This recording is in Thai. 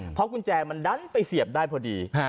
เพราะกุญแจมันดันไปเสียบได้พอดี